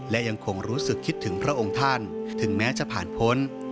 และยังคงรู้สึกคิดถึงพระองค์ท่านถึงแม้จะผ่านพ้น